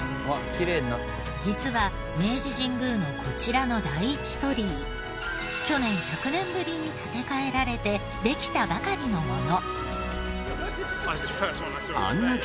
実は明治神宮のこちらの第一鳥居去年１００年ぶりに建て替えられてできたばかりのもの。